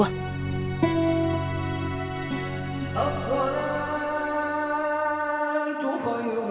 gak tahu kok